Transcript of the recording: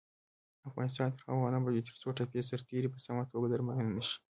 افغانستان تر هغو نه ابادیږي، ترڅو ټپي سرتیري په سمه توګه درملنه نشي.